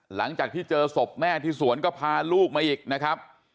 หลังจากที่เจอศพแม่ที่สวนก็พาลูกมาอีกนะครับ